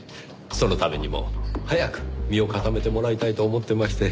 そのためにも早く身を固めてもらいたいと思ってまして。